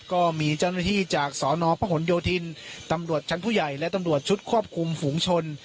ก็มีเจ้าหน้าที่จากสนพหนโยธินตำรวจชั้นผู้ใหญ่และตำรวจชุดควบคุมฝูงชน